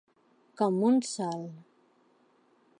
Com un sol.